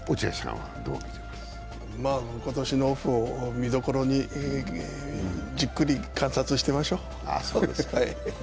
今年のオフを見どころに、じっくり観察していましょう。